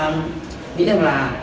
nghĩ rằng là